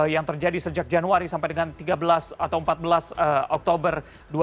yang terjadi sejak januari sampai dengan tiga belas atau empat belas oktober dua ribu dua puluh